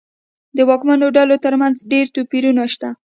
د واکمنو ډلو ترمنځ ډېر توپیرونه شته.